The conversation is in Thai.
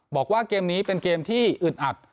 บอกว่าเกมนี้เป็นเกมที่อึดอัด